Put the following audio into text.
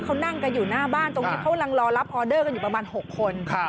เขานั่งกันอยู่หน้าบ้านตรงนี้เขากำลังรอรับออเดอร์กันอยู่ประมาณ๖คน